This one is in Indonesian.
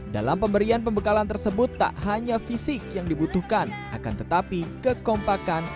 dalam pemberian pembekalan tersebut tak hanya fisik yang dibutuhkan akan tetapi kekompakan